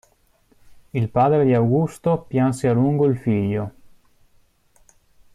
Il padre di Augusto pianse a lungo il figlio.